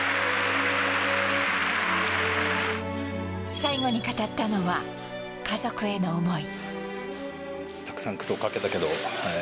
最後に語ったのは家族への思い。